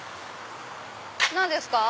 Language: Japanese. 何ですか？